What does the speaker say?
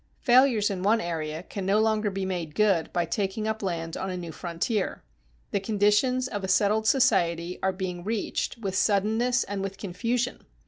Failures in one area can no longer be made good by taking up land on a new frontier; the conditions of a settled society are being reached with suddenness and with confusion.